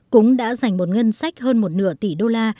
cũng đã dành một ngân sách hơn một nửa tỷ đô la